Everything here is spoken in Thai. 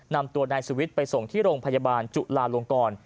นำตัวนายสุวิทย์ไปส่งที่โรงพยาบาลจุลาลงกร